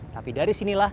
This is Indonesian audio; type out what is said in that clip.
sehingga riau berpengalaman